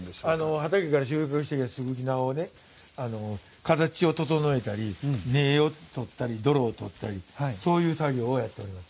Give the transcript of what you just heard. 畑から収穫したすぐき菜を形を整えたり根を取ったり泥を取ったりそういう作業をやっております。